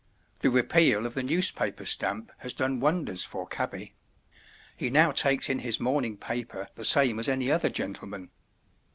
The repeal of the newspaper stamp has done wonders for cabby. He now takes in his morning paper the same as any other gentleman.